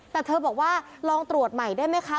แต่เธอบอกว่าลองตรวจใหม่ได้ไหมคะ